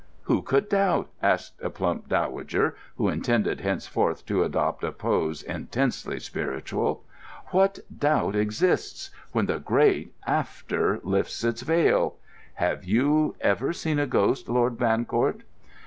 "Who could doubt?" asked a plump dowager, who intended henceforth to adopt a pose intensely spiritual. "What doubt exists, when the great After lifts its veil? Have you ever seen a ghost, Lord Bancourt?"